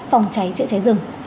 phòng cháy chữa cháy rừng